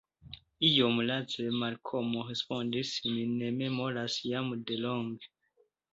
Iom lace Malkomo respondis: Mi ne memoras; jam de longe.